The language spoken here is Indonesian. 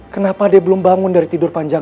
kenapa dia belum bangun dari tidur panjang